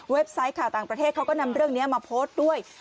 ไซต์ข่าวต่างประเทศเขาก็นำเรื่องนี้มาโพสต์ด้วย